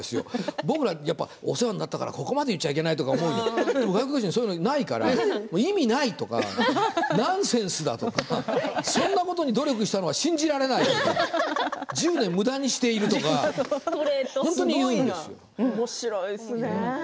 僕はお世話になったからここまで言っちゃいけないと思うんですけど外国人はそういうのないから意味ないとか、ナンセンスとかそのことに努力したのが信じられないとか１０年むだにしているとか本当に言うんですよ。